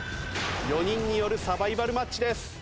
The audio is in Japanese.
４人によるサバイバルマッチです。